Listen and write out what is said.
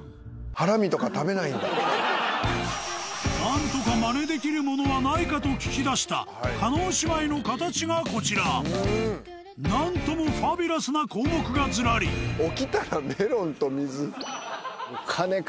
なんとかまねできるものはないかと聞き出した叶姉妹の形がこちらなんともファビュラスな項目がずらり「起きたらメロンと水」